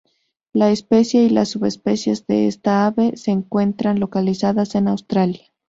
La especie y las subespecies de esta ave se encuentran localizadas en Australia.